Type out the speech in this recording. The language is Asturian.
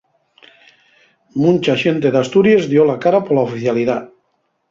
Muncha xente d'Asturies dio la cara pola oficialidá.